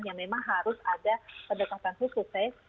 yang memang harus ada pendekatan khusus